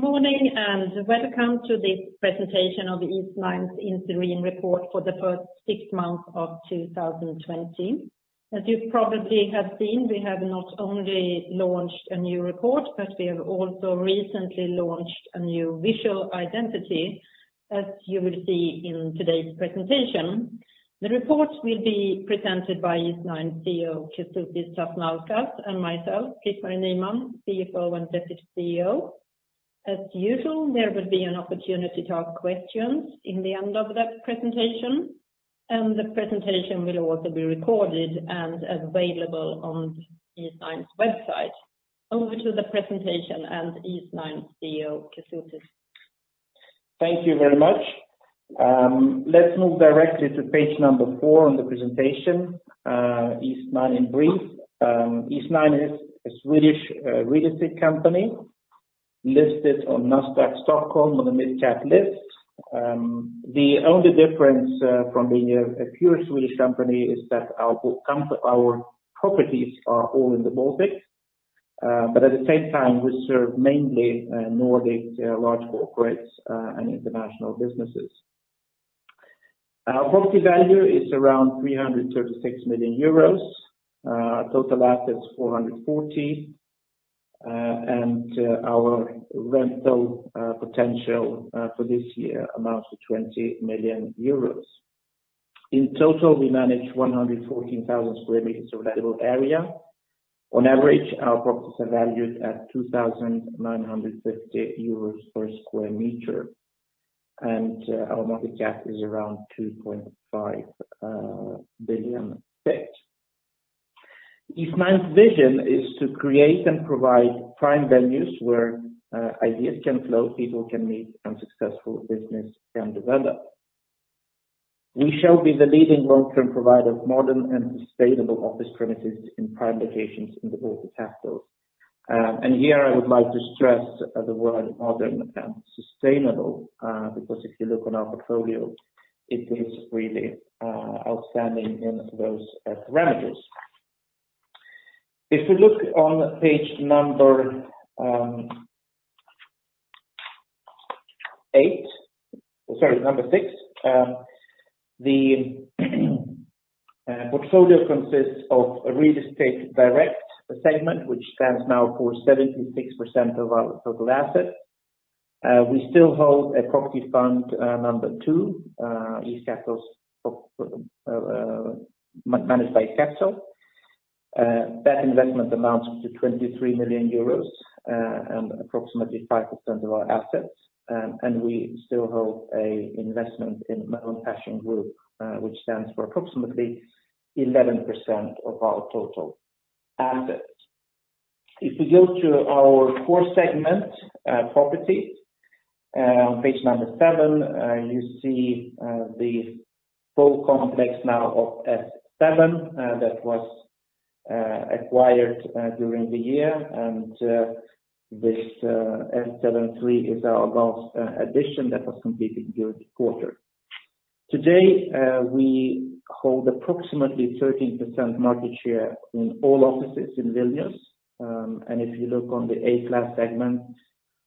Morning, and welcome to this presentation of Eastnine's interim report for the first six months of 2020. As you probably have seen, we have not only launched a new report, but we have also recently launched a new visual identity, as you will see in today's presentation. The report will be presented by Eastnine CEO Kestutis Sasnauskas and myself, Britt-Marie Nyman, CFO and deputy CEO. As usual, there will be an opportunity to ask questions in the end of the presentation. The presentation will also be recorded and available on Eastnine's website. Over to the presentation and Eastnine CEO Kęstutis. Thank you very much. Let's move directly to page number four on the presentation. Eastnine in brief. Eastnine is a Swedish real estate company listed on Nasdaq Stockholm on the Mid Cap list. The only difference from being a pure Swedish company is that our properties are all in the Baltic. At the same time, we serve mainly Nordic large corporates and international businesses. Our property value is around 336 million euros. Total assets, 440 million, and our rental potential for this year amounts to 20 million euros. In total, we manage 114,000 sq m of rentable area. On average, our properties are valued at 2,950 euros per sq m, and our market cap is around 2.5 billion. Eastnine's vision is to create and provide prime venues where ideas can flow, people can meet, and successful business can develop. We shall be the leading long-term provider of modern and sustainable office premises in prime locations in the Baltic capitals. Here I would like to stress the word modern and sustainable because if you look on our portfolio, it is really outstanding in those parameters. If we look on page number eight, sorry, number six, the portfolio consists of a real estate direct segment, which stands now for 76% of our total assets. We still hold a property fund, number two, East Capital, managed by East Capital. That investment amounts to 23 million euros and approximately 5% of our assets. We still hold an investment in Melon Fashion Group, which stands for approximately 11% of our total assets. If we go to our core segment, property, page number seven you see the full complex now of S7 that was acquired during the year. This S7-3 is our last addition that was completed during the quarter. Today, we hold approximately 13% market share in all offices in Vilnius. If you look on the A-class segment,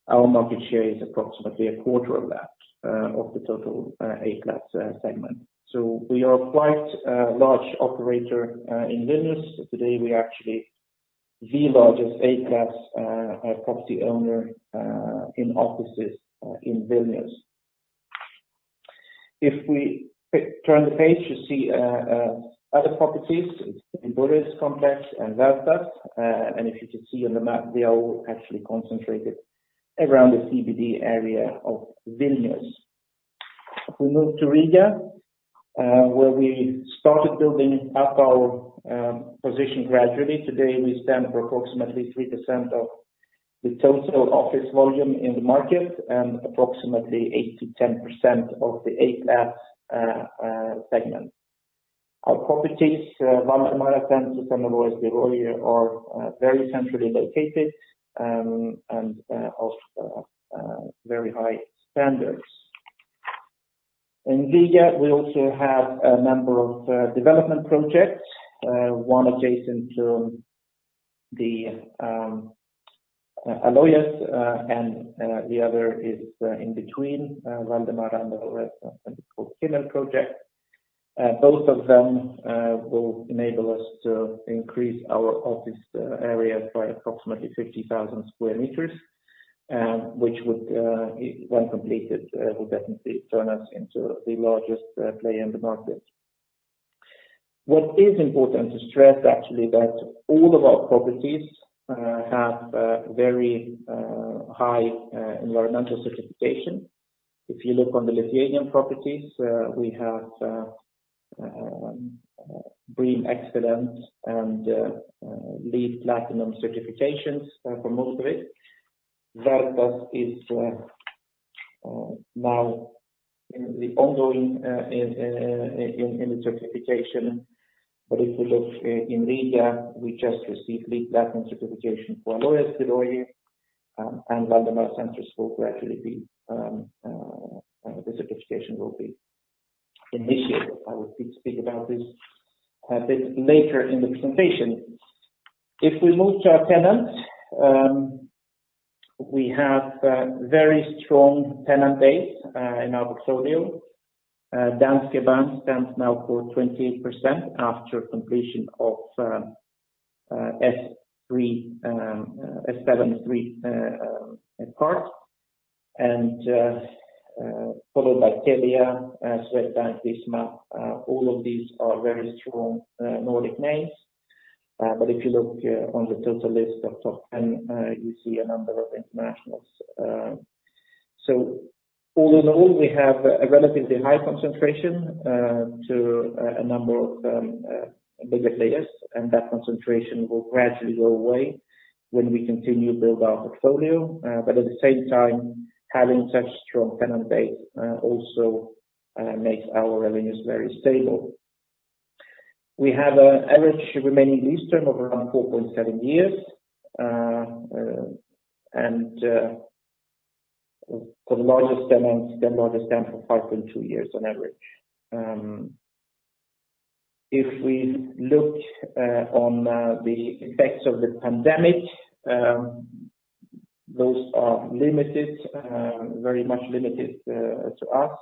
our market share is approximately a quarter of that, of the total A-class segment. We are quite a large operator in Vilnius. Today, we are actually the largest A-class property owner in offices in Vilnius. If we turn the page, you see other properties in 3 Burės and Vertas. If you could see on the map, they are all actually concentrated around the CBD area of Vilnius. If we move to Riga, where we started building up our position gradually. Today, we stand for approximately 3% of the total office volume in the market and approximately 8%-10% of the A-class segment. Our properties, Valdemara Centrs and Alojas Biroji are very centrally located and of very high standards. In Riga, we also have a number of development projects, one adjacent to the Alojas and the other is in between Valdemara and the rest, and it's called Kimmel. Both of them will enable us to increase our office areas by approximately 50,000 square meters, which when completed, will definitely turn us into the largest player in the market. What is important to stress, actually, that all of our properties have very high environmental certification. If you look on the Lithuanian properties, we have BREEAM Excellent and LEED Platinum certifications for most of it. Vertas is now in the ongoing certification. If we look in Riga, we just received LEED Platinum certification for Alojas Biroji and Valdemara Centrs will gradually be initiated. I will speak about this a bit later in the presentation. If we move to our tenants, we have a very strong tenant base in our portfolio. Danske Bank stands now for 28% after completion of S7-3 part, and followed by Telia, Swedbank, Visma. All of these are very strong Nordic names. If you look on the total list of top 10, you see a number of internationals. All in all, we have a relatively high concentration to a number of bigger players, and that concentration will gradually go away when we continue to build our portfolio. At the same time, having such strong tenant base also makes our revenues very stable. We have an average remaining lease term of around 4.7 years. The largest tenants, the largest term for 5.2 years on average. If we look on the effects of the pandemic, those are limited, very much limited to us.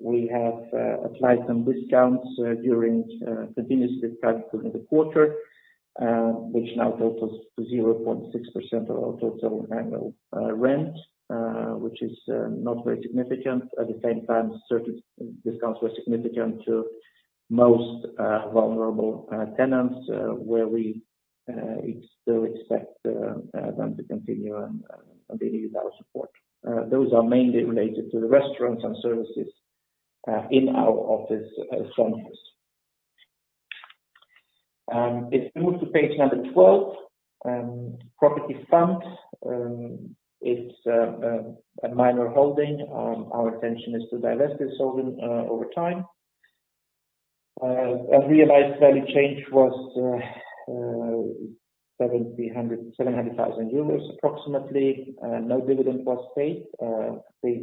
We have applied some discounts during the quarter, which now totals to 0.6% of our total annual rent, which is not very significant. At the same time, certain discounts were significant to most vulnerable tenants, where we still expect them to continue and they need our support. Those are mainly related to the restaurants and services in our office centers. If we move to page number 12, Property Fund. It's a minor holding. Our intention is to divest this holding over time. A realized value change was 700,000 approximately. No dividend was paid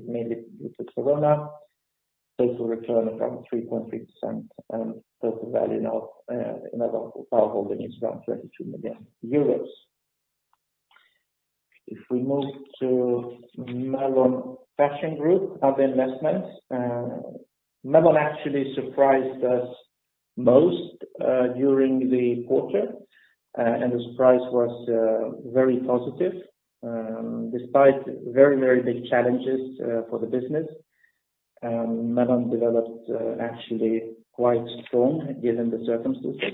mainly due to corona. Total return around 3.3%. Total value now in our holding is around 22 million euros. If we move to Melon Fashion Group, other investments. Melon actually surprised us most during the quarter. The surprise was very positive. Despite very big challenges for the business, Melon developed actually quite strong given the circumstances.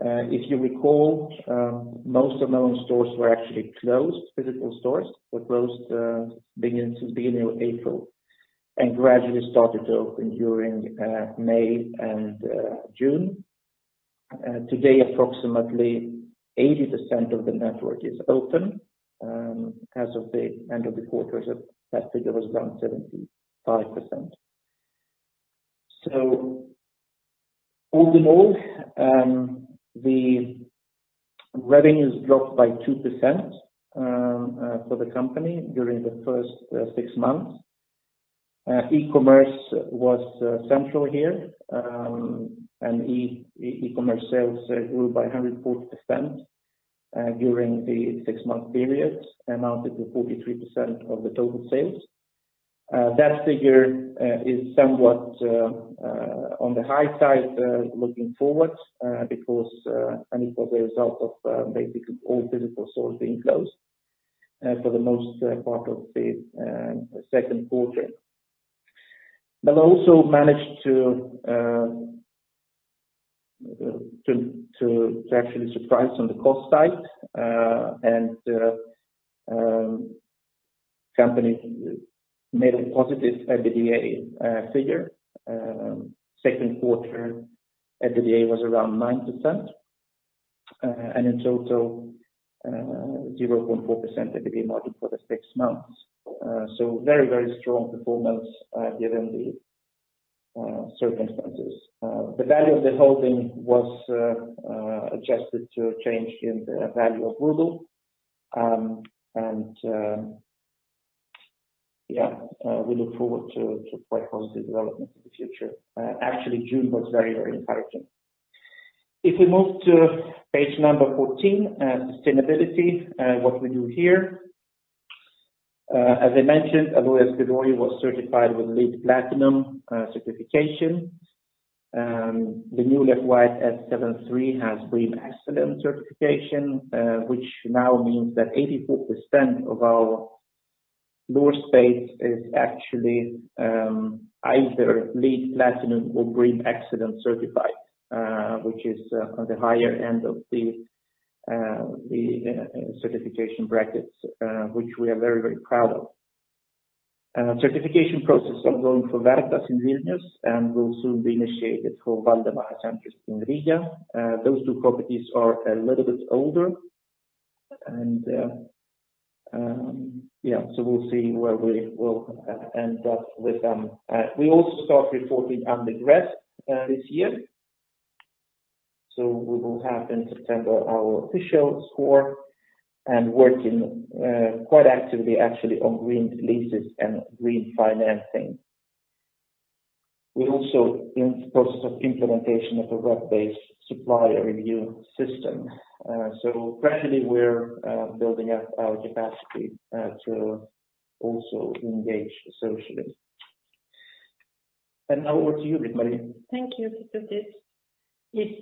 If you recall, most of Melon stores were actually closed, physical stores were closed beginning of April, and gradually started to open during May and June. Today, approximately 80% of the network is open. As of the end of the quarter, that figure was around 75%. All in all, the revenues dropped by 2% for the company during the first six months. E-commerce was central here, and e-commerce sales grew by 140% during the six-month period, amounted to 43% of the total sales. That figure is somewhat on the high side looking forward because, and it was a result of basically all physical stores being closed for the most part of the second quarter. Melon also managed to actually surprise on the cost side. The company made a positive EBITDA figure. Second quarter EBITDA was around 9%, and in total, 0.4% EBITDA margin for the six months. Very strong performance given the circumstances. The value of the holding was adjusted to a change in the value of Ruble. Yeah, we look forward to quite positive development in the future. Actually, June was very encouraging. If we move to page number 14, sustainability, what we do here. As I mentioned, Alojas Biroji was certified with LEED Platinum certification. The new S7-3 has BREEAM Excellent certification, which now means that 84% of our floor space is actually either LEED Platinum or BREEAM Excellent certified, which is on the higher end of the certification brackets, which we are very proud of. Certification process ongoing for Vertas in Vilnius, and will soon be initiated for Valdemara Centrs in Riga. Those two properties are a little bit older. We'll see where we will end up with them. We also start reporting under GRESB this year. We will have in September our official score and working quite actively actually on green leases and green financing. We're also in the process of implementation of a web-based supplier review system. Gradually we're building up our capacity to also engage socially. Over to you, Britt-Marie. Thank you, Kęstutis.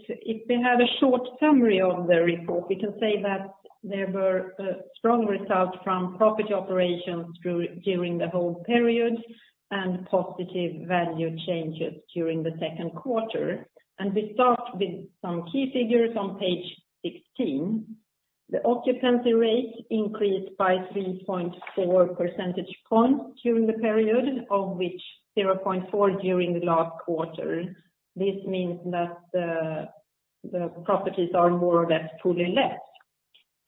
We have a short summary of the report, we can say that there were strong results from property operations during the whole period and positive value changes during the second quarter. We start with some key figures on page 16. The occupancy rate increased by 3.4 percentage points during the period, of which 0.4 during the last quarter. This means that the properties are more or less fully let.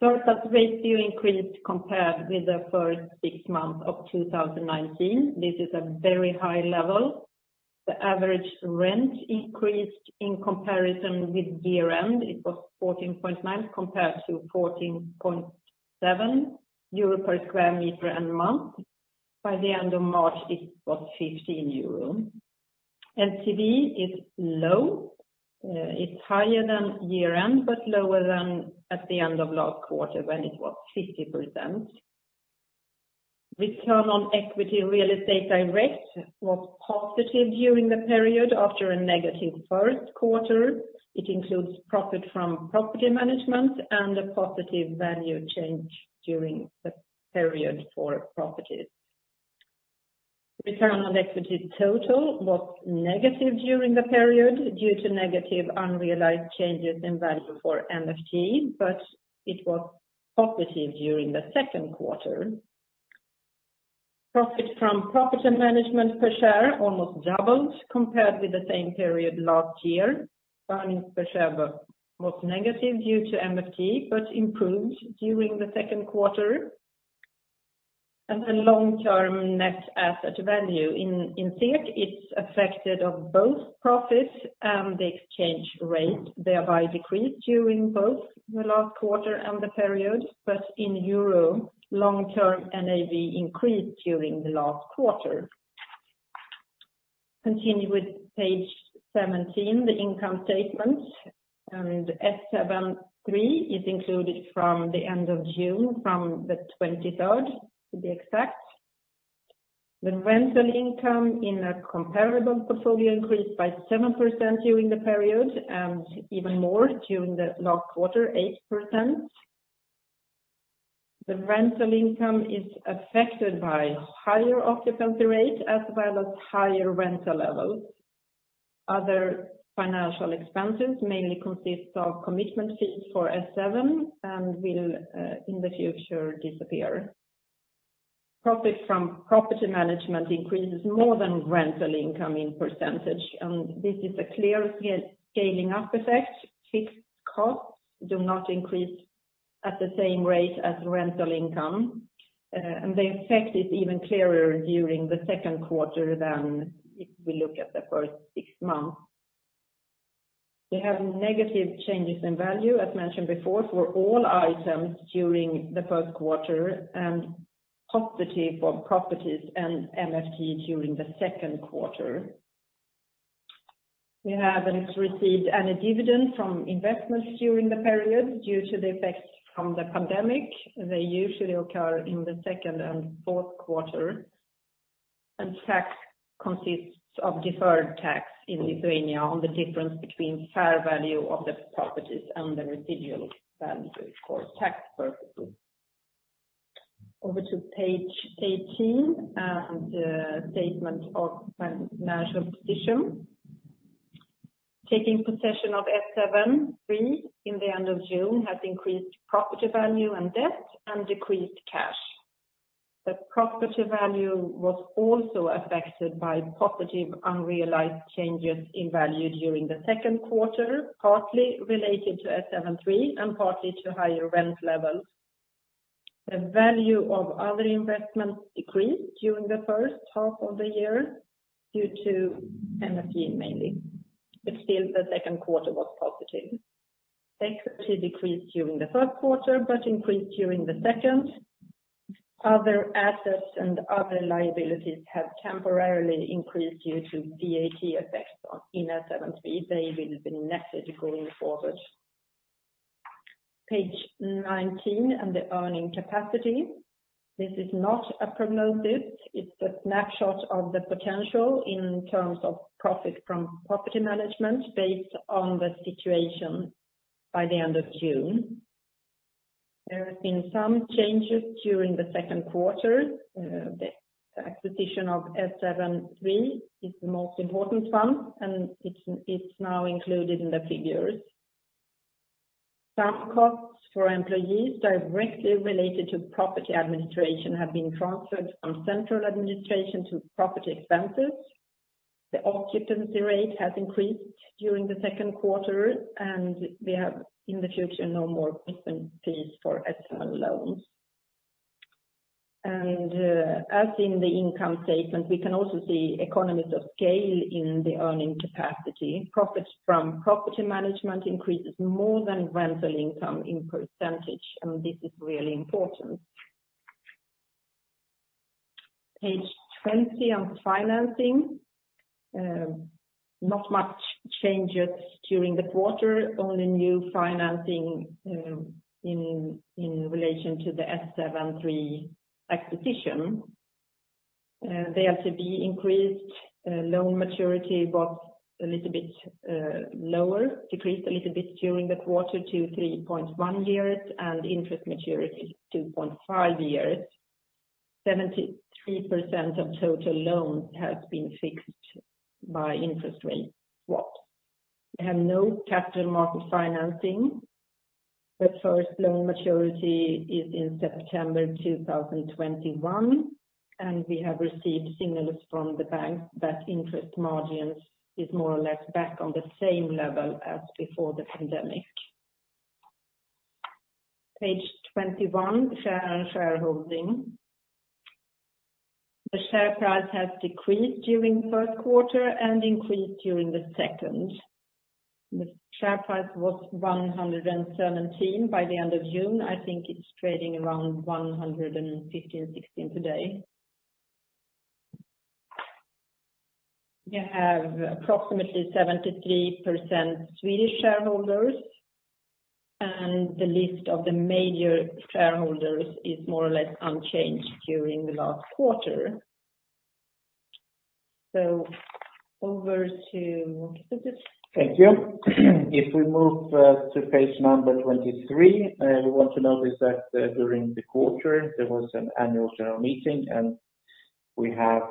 Surplus ratio increased compared with the first six months of 2019. This is a very high level. The average rent increased in comparison with year-end. It was 14.9 compared to 14.7 euro per square meter and month. By the end of March, it was 15 euro. LTV is low. It's higher than year-end, but lower than at the end of last quarter when it was 50%. Return on equity real estate direct was positive during the period after a negative first quarter. It includes profit from property management and a positive value change during the period for properties. Return on equity total was negative during the period due to negative unrealized changes in value for MFG, but it was positive during the second quarter. Profit from property management per share almost doubled compared with the same period last year. Earnings per share was negative due to MFG, but improved during the second quarter. The long-term net asset value in SEK is affected of both profits and the exchange rate, thereby decreased during both the last quarter and the period. In euro, long-term NAV increased during the last quarter. Continue with page 17, the income statement, and S7-3 is included from the end of June from the 23rd, to be exact. The rental income in a comparable portfolio increased by 7% during the period, and even more during the last quarter, 8%. The rental income is affected by higher occupancy rate as well as higher rental levels. Other financial expenses mainly consist of commitment fees for S7 and will, in the future, disappear. Profit from property management increases more than rental income in percentage, and this is a clear scaling up effect. Fixed costs do not increase at the same rate as rental income, and the effect is even clearer during the second quarter than if we look at the first six months. We have negative changes in value, as mentioned before, for all items during the first quarter and positive for properties and MFG during the second quarter. We haven't received any dividend from investments during the period due to the effects from the pandemic. They usually occur in the second and fourth quarter. Tax consists of deferred tax in Lithuania on the difference between fair value of the properties and the residual value for tax purposes. Over to page 18 and the statement of financial position. Taking possession of S7-3 in the end of June has increased property value and debt and decreased cash. The property value was also affected by positive unrealized changes in value during the second quarter, partly related to S7-3 and partly to higher rent levels. The value of other investments decreased during the first half of the year due to MFG mainly, but still the second quarter was positive. Equity decreased during the first quarter, but increased during the second. Other assets and other liabilities have temporarily increased due to VAT effects on S7-3. They will be netted going forward. Page 19 and the earning capacity. This is not a prognosis. It's a snapshot of the potential in terms of profit from property management based on the situation by the end of June. There have been some changes during the second quarter. The acquisition of S7-3 is the most important one, and it's now included in the figures. Some costs for employees directly related to property administration have been transferred from central administration to property expenses. The occupancy rate has increased during the second quarter, and we have in the future no more placement fees for S7 loans. as in the income statement, we can also see economies of scale in the earning capacity. Profits from property management increases more than rental income in percentage, and this is really important. Page 20 on financing. Not much changes during the quarter. Only new financing in relation to the S7-3 acquisition. The LTV increased. Loan maturity was a little bit lower, decreased a little bit during the quarter to 3.1 years, and interest maturity is 2.5 years. 73% of total loans has been fixed by interest rate swap. We have no capital market financing. The first loan maturity is in September 2021, and we have received signals from the bank that interest margins is more or less back on the same level as before the pandemic. Page 21, share and shareholding. The share price has decreased during first quarter and increased during the second. The share price was 117 by the end of June. I think it's trading around 115, 16 today. We have approximately 73% Swedish shareholders, and the list of the major shareholders is more or less unchanged during the last quarter. Over to you, Kęstutis. Thank you. If we move to page number 23, we want to notice that during the quarter there was an annual general meeting, and we have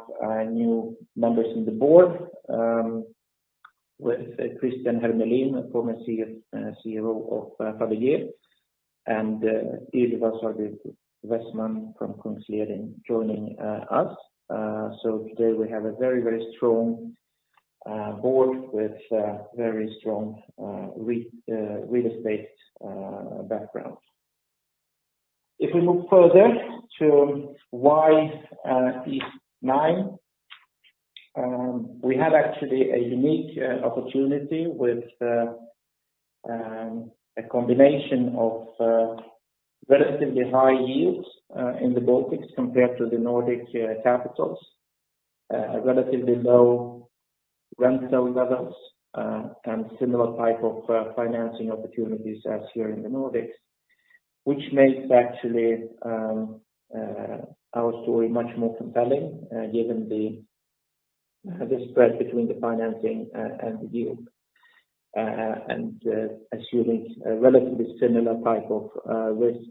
new members in the board with Christian Hermelin, former CEO of Fabege, and Ylva Sarby Westman from Kungsleden joining us. Today we have a very strong board with very strong real estate background. If we move further to why Eastnine. We have actually a unique opportunity with a combination of relatively high yields in the Baltics compared to the Nordic capitals, a relatively low rental levels, and similar type of financing opportunities as here in the Nordics. Which makes actually our story much more compelling given the spread between the financing and the yield, and assuming a relatively similar type of risks.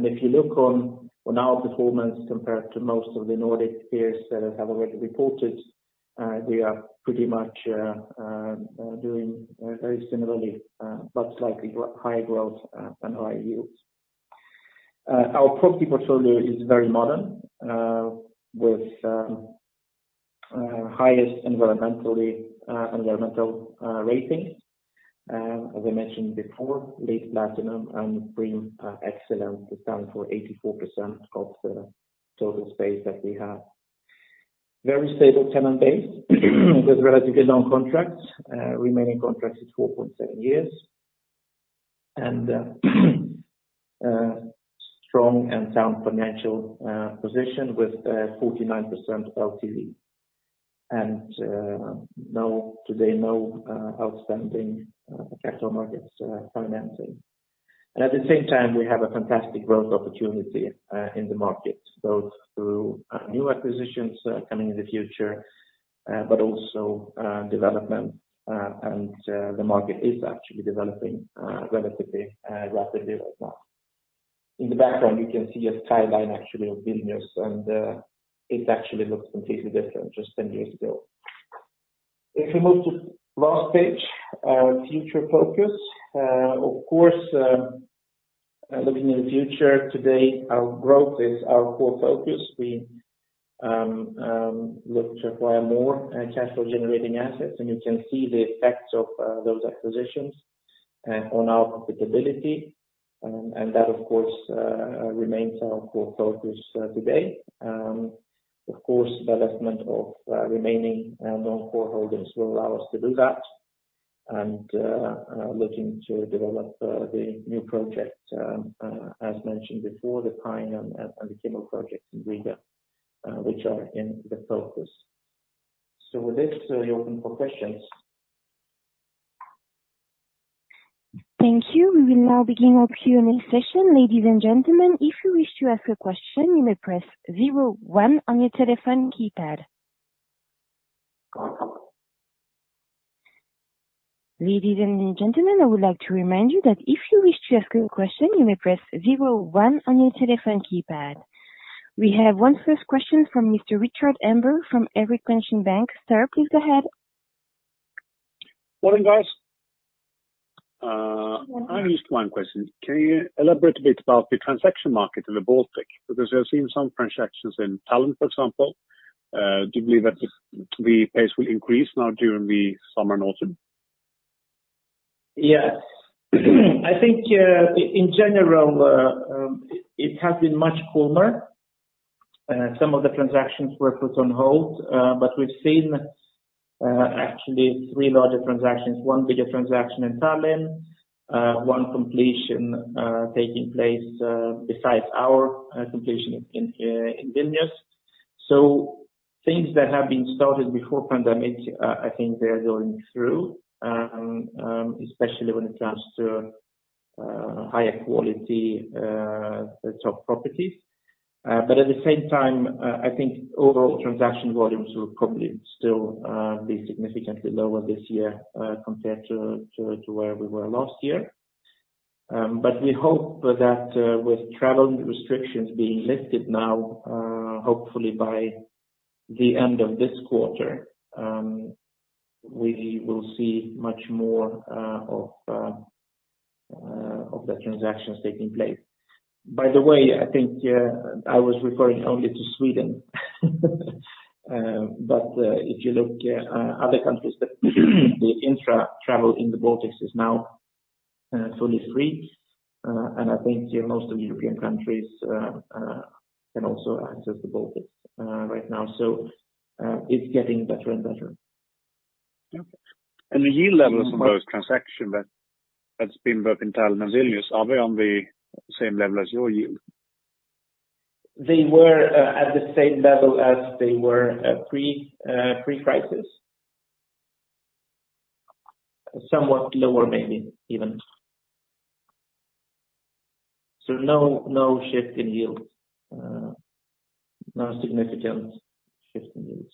If you look on our performance compared to most of the Nordic peers that have already reported, we are pretty much doing very similarly but slightly higher growth and higher yields. Our property portfolio is very modern, with highest environmental ratings. As I mentioned before, LEED Platinum and BREEAM Excellent account for 84% of the total space that we have. Very stable tenant base with relatively long contracts. Remaining contracts is 4.7 years and a strong and sound financial position with 49% LTV. Today, no outstanding capital markets financing. At the same time, we have a fantastic growth opportunity in the market, both through new acquisitions coming in the future but also development. The market is actually developing relatively rapidly right now. In the background, you can see a timeline actually of Vilnius, and it actually looks completely different just 10 years ago. If we move to last page, future focus. Of course, looking in the future, today our growth is our core focus. We look to acquire more cashflow-generating assets, and you can see the effects of those acquisitions on our profitability. That, of course remains our core focus today. Of course, development of remaining non-core holdings will allow us to do that, and looking to develop the new project. As mentioned before, the Pine and the Kimmel projects in Riga which are in the focus. With this, we open for questions. Thank you. We will now begin our Q&A session. Ladies and gentlemen, if you wish to ask a question, you may press zero one on your telephone keypad. Ladies and gentlemen, I would like to remind you that if you wish to ask a question, you may press zero one on your telephone keypad. We have one first question from Mr. Rikard Engberg from Erik Penser Bank. Sir, please go ahead. Morning, guys. Morning. I have just one question. Can you elaborate a bit about the transaction market in the Baltic? Because we have seen some transactions in Tallinn, for example. Do you believe that the pace will increase now during the summer and autumn? Yes. I think in general, it has been much calmer. Some of the transactions were put on hold, but we've seen actually three larger transactions, one bigger transaction in Tallinn, one completion taking place besides our completion in Vilnius. Things that have been started before pandemic, I think they are going through, especially when it comes to higher quality top properties. At the same time, I think overall transaction volumes will probably still be significantly lower this year compared to where we were last year. We hope that with travel restrictions being lifted now, hopefully by the end of this quarter, we will see much more of the transactions taking place. By the way, I think I was referring only to Sweden. If you look at other countries that the intra-travel in the Baltics is now fully free. I think most of European countries can also access the Baltics right now. It's getting better and better. Yeah. The yield levels on those transactions that's been both in Tallinn and Vilnius, are they on the same level as your yield? They were at the same level as they were pre-crisis. Somewhat lower, maybe even. No shift in yield. No significant shift in yields.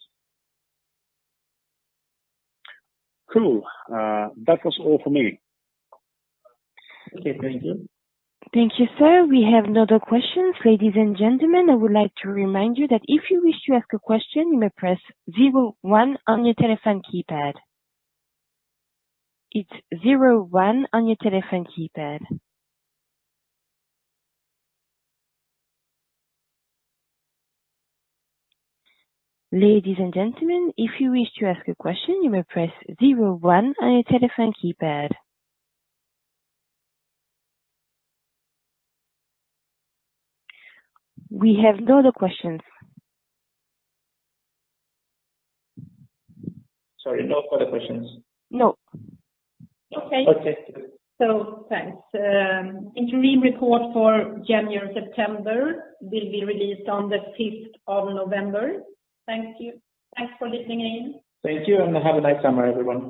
Cool. That was all for me. Okay. Thank you. Thank you, sir. We have no other questions. Ladies and gentlemen, I would like to remind you that if you wish to ask a question, you may press zero one on your telephone keypad. It's zero one on your telephone keypad. Ladies and gentlemen, if you wish to ask a question, you may press zero one on your telephone keypad. We have no other questions. Sorry, no further questions? No. Okay. thanks. Interim report for January and September will be released on the 5th of November. Thank you. Thanks for listening in. Thank you, and have a nice summer, everyone.